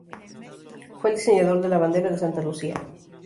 Fue el diseñador de la bandera de Santa Lucía.